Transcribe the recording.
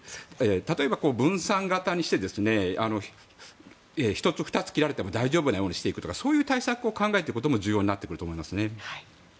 例えば、分散型にして１つ、２つ切られても大丈夫なようにしていくとかそういう対策を考えていくことも重要になってくると思いますね。